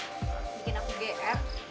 bikin aku gm